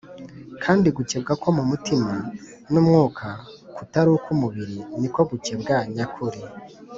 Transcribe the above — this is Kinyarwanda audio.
kandi gukebwa ko mu mutima n’umwuka kutari uk’umubiri ni ko gukebwa nyakuri.